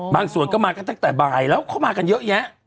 ส่วนก็มากันตั้งแต่บ่ายแล้วเขามากันเยอะแยะ